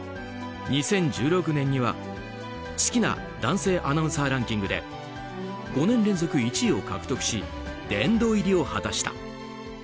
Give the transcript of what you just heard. ２０１６年には、好きな男性アナウンサーランキングで５年連続１位を獲得し殿堂入りを果たした。